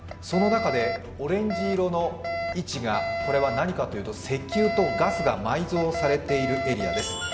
その中でオレンジ色の位置が何かというと石油とガスが埋蔵されているエリアです。